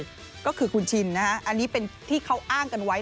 ก็คือคุณชินนะฮะอันนี้เป็นที่เขาอ้างกันไว้